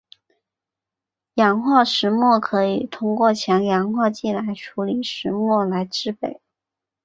氧化石墨可以通过用强氧化剂来处理石墨来制备。